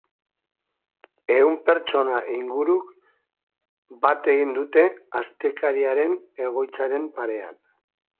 Ehun pertsona inguruk bat egin dute astekariaren egoitzaren parean.